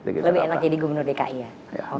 lebih enak jadi gubernur dki ya